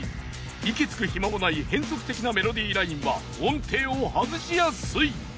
［息つく暇もない変則的なメロディーラインは音程を外しやすい］